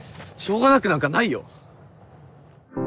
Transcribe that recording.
しょうがなくなんかないよ！